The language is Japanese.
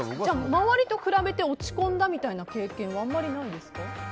周りと比べて落ち込んだみたいな経験はあんまりないですか？